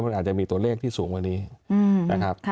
มันอาจจะมีตัวเลขที่สูงกว่านี้นะครับ